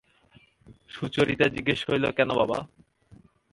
সুচরিতা জিজ্ঞাসা করিল, কেন বাবা?